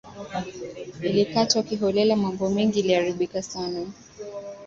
ilikatwa kiholela mambo mingi iliharibika kabisa